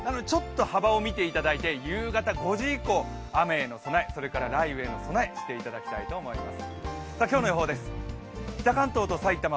幅を見ていただいて、夕方５時以降、雨への備え、それから雷雨への備えをしていただきたいと思います。